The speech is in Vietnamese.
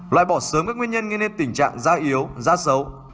loại bỏ sớm các nguyên nhân gây nên tình trạng da yếu da xấu